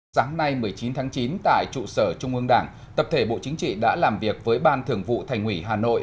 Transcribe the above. sáng nay một mươi chín tháng chín tại trụ sở trung ương đảng tập thể bộ chính trị đã làm việc với ban thưởng vụ thành ủy hà nội